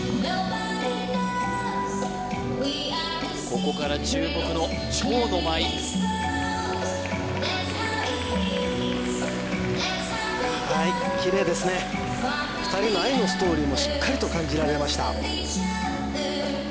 ここから注目の蝶の舞はいきれいですね２人の愛のストーリーもしっかりと感じられました